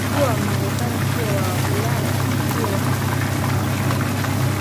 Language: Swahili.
Siyo wamarekani siyo wa Ulaya siyo wa Asia